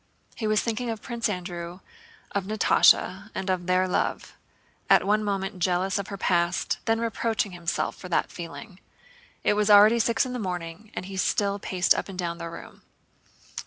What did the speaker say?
He was thinking of Prince Andrew, of Natásha, and of their love, at one moment jealous of her past, then reproaching himself for that feeling. It was already six in the morning and he still paced up and down the room.